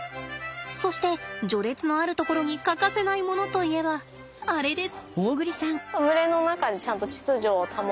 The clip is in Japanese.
そして序列のあるところに欠かせないものといえばあれです。